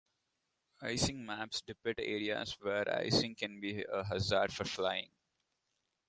Icing maps depict areas where icing can be a hazard for flying.